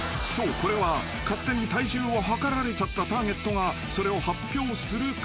これは勝手に体重を量られちゃったターゲットがそれを発表するか］